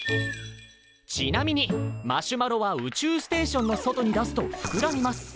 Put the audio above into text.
ちなみにマシュマロは宇宙ステーションの外に出すとふくらみます。